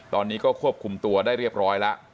ตอนนี้ก็ควบคุมตัวได้เรียบร้อยแล้ว